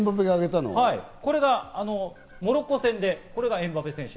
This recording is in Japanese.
これがモロッコ戦で、これがエムバペ選手。